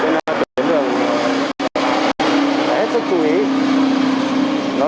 nên là tuyến đường